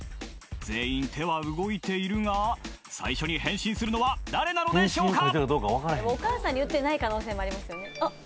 全員手は動いているが最初に返信するのは誰なのでしょうか